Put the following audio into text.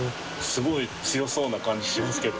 すごい強そうな感じしますけど。